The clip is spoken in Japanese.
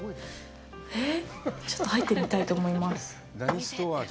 えっ、ちょっと入ってみたいと思います。